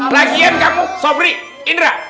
lagian kamu sopri indra